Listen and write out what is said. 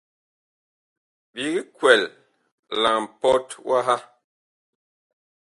Biig kwɛl la mpɔt waha.